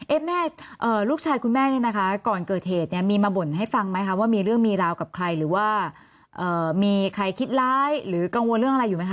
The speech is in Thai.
แม่ลูกชายคุณแม่เนี่ยนะคะก่อนเกิดเหตุเนี่ยมีมาบ่นให้ฟังไหมคะว่ามีเรื่องมีราวกับใครหรือว่ามีใครคิดร้ายหรือกังวลเรื่องอะไรอยู่ไหมค